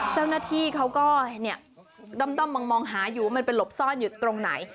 เจ้าหน้าที่เขาก็ด้อมมองหาอยู่ว่ามันไปหลบซ่อนอยู่ตรงไหน